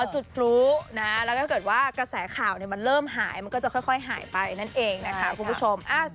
จุดพลุนะแล้วก็ถ้าเกิดว่ากระแสข่าวมันเริ่มหายมันก็จะค่อยหายไปนั่นเองนะคะคุณผู้ชม